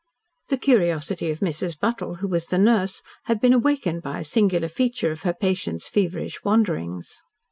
The curiosity of Mrs. Buttle, who was the nurse, had been awakened by a singular feature of her patient's feverish wanderings.